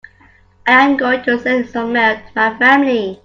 I am going to send some mail to my family.